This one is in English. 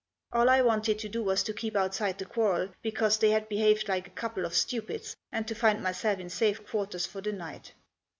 All I wanted to do was to keep outside the quarrel, because they had behaved like a couple of stupids, and to find myself in safe quarters for the night.